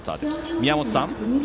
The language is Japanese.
宮本さん。